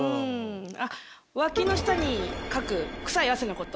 あっワキの下にかく臭い汗のこと？